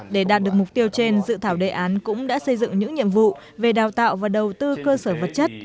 để đạt được mục tiêu trên dự thảo đề án cũng đã xây dựng những nhiệm vụ về đào tạo và đầu tư cơ sở vật chất